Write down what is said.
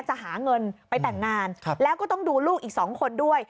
จะหาเงินไปแต่งงานแล้วก็ต้องดูลูกอีก๒คนด้วย